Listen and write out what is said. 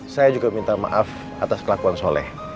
saya juga minta maaf atas kelakuan soleh